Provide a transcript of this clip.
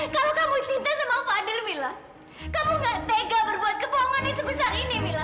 kalau kamu cinta sama fadil mila kamu gak tega berbuat kebohongan yang sebesar ini mila